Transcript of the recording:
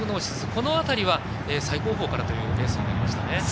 この辺りは、最後方からのレースになりましたね。